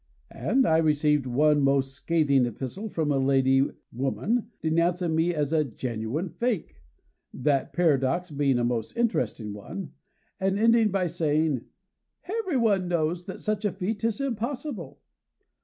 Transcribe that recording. And I received one most scathing epistle from a lady (woman!) denouncing me as a "genuine fake;" (that paradox being a most interesting one!), and ending by saying: "Everyone knows that such a feat is impossible."